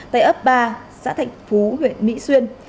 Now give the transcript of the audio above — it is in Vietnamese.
tại ấp ba xã thạnh phú huyện mỹ xuyên